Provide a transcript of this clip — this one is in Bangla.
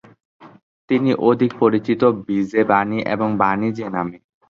তিনি অধিক পরিচিত ভিজে বানি এবং বানি জে নামে।